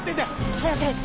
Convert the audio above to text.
早く早く！